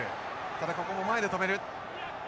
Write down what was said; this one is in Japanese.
ただここも前で止める。